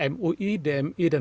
mui dmi dan pemerintah